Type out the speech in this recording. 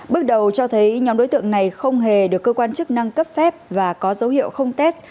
bước đầu cho thấy nhóm đối tượng này không hề được cơ quan chức năng cấp phép và có dấu hiệu không test